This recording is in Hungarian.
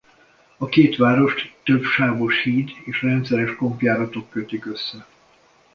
A két várost több sávos híd és rendszeres kompjáratok kötik össze.